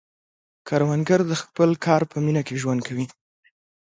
کروندګر د خپل کار په مینه ژوند کوي